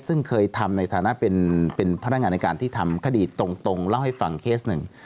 ซึ่งเคยทำในฐานะเป็นพนักงานในการที่ทำคดีตรงเล่าให้ฟังเคสหนึ่ง